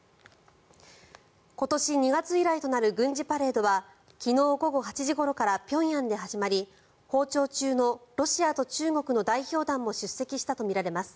今年２月以来となる軍事パレードは昨日午後８時ごろから平壌で始まり訪朝中のロシアと中国の代表団も出席したとみられます。